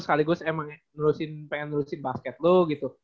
sekaligus emang pengen nerusin basket lu gitu